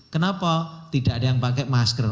kenapa tidak ada yang pakai masker